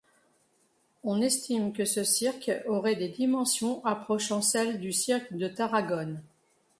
On estime que ce cirque aurait des dimensions approchant celles du cirque de Tarragone.